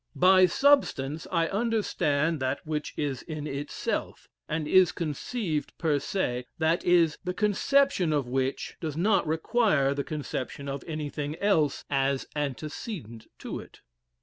By substance I understand that which is in itself, and is conceived per se that is, the conception of which does not require the conception of anything else as antecedent to it.